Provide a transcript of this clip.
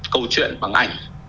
câu chuyện bằng ảnh